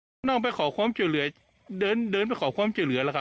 ก็นั่งไปขอความช่วยเหลือเดินเดินไปขอความช่วยเหลือล่ะค่ะ